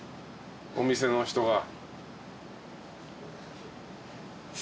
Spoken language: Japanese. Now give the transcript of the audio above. お店の人が。